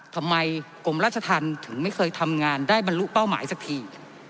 กรมราชธรรมถึงไม่เคยทำงานได้บรรลุเป้าหมายสักที